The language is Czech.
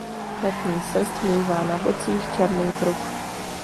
Letní srst mívá na bocích černý pruh.